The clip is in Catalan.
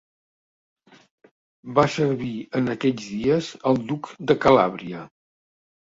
Va servir en aquells dies al Duc de Calàbria.